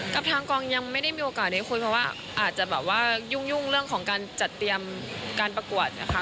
กับทางกองยังไม่ได้มีโอกาสได้คุยเพราะว่าอาจจะแบบว่ายุ่งเรื่องของการจัดเตรียมการประกวดนะคะ